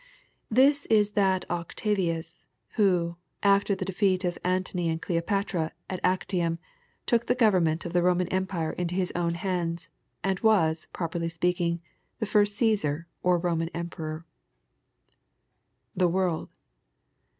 ] This is that Octavius who, after the defeat of Antony and Cleopatra at Actium, took the government of the Koman Empire into his own hands, and was, properly speaking, the first Caesar, or Roman Emperor [The world.'